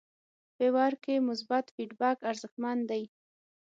فیور کې مثبت فیډبک ارزښتمن دی.